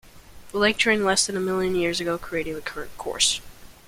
The lake drained less than a million years ago, creating the current course.